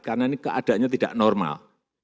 karena ini keadaannya tidak normal